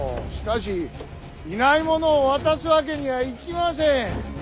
しかしいない者を渡すわけにはいきません。